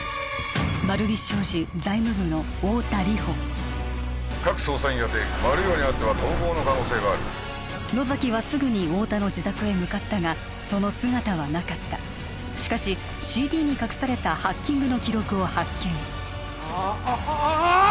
丸菱商事・財務部の太田梨歩各捜査員宛てマルヨウにあっては逃亡の可能性がある野崎はすぐに太田の自宅へ向かったがその姿はなかったしかしＣＤに隠されたハッキングの記録を発見あっあああ！